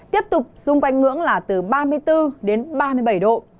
tiếp tục xung quanh ngưỡng là từ ba mươi bốn đến ba mươi bảy độ